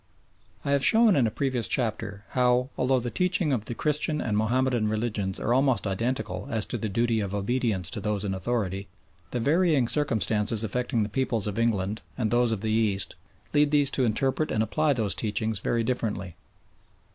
I have shown in a previous chapter how, although the teachings of the Christian and Mahomedan religions are almost identical as to the duty of obedience to those in authority, the varying circumstances affecting the peoples of England and those of the East lead these to interpret and apply those teachings very differently.